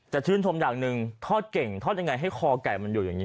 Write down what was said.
ชื่นชมอย่างหนึ่งทอดเก่งทอดยังไงให้คอไก่มันอยู่อย่างนี้